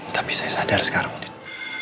tapi saya sadar sekarang untuk